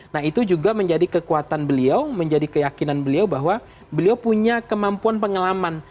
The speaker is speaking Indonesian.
nah itu juga menjadi kekuatan beliau menjadi keyakinan beliau bahwa beliau punya kemampuan pengalaman